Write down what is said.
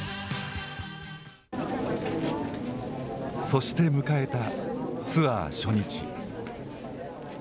そして迎えたツアー初日。